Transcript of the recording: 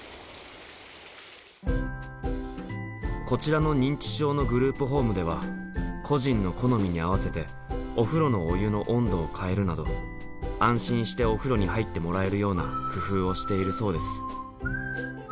こちらの認知症のグループホームでは個人の好みに合わせてお風呂のお湯の温度を変えるなど安心してお風呂に入ってもらえるような工夫をしているそうです。